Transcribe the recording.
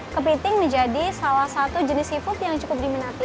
kepiting menjadi salah satu jenis seafood yang cukup diminati